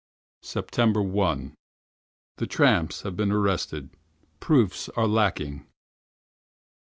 1st September. Two tramps have been arrested. Proofs are lacking.